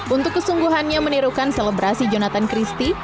untuk kesungguhannya menirukan selebrasi jonathan christie